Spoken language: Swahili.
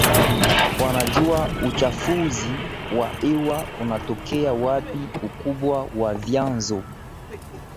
wanajua uchafuzi wa hewa unatokea wapi ukubwa wa vyanzo